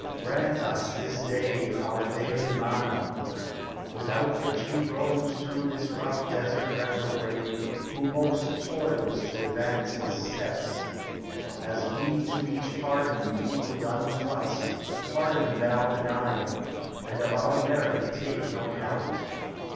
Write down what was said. Grant us, this day, Our daily manna, without which he roams Through this rough desert retrograde, who most Toils to advance his steps. As we to each Pardon the evil done us, pardon thou Benign, and of our merit take no count.